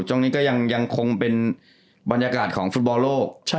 ตรงนี้ก็ยังคงเป็นบรรยากาศของฟุตบอลโลก